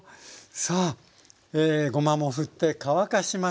さあごまもふって乾かしました。